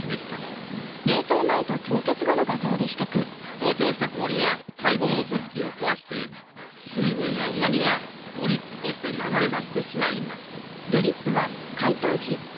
膨張した氷が細胞の組織を壊して水分やうまみがドリップとして流れ出してしまいます。